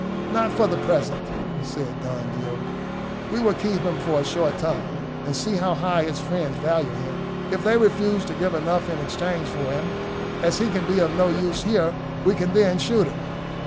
"Not for the present," said Don Diogo. "We will keep him for a short time, and see how high his friends value him. If they refuse to give enough in exchange for him, as he can be of no use here, we can then shoot him!"